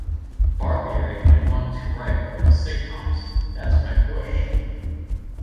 Barbieri went on to write for the sitcoms That's My Bush!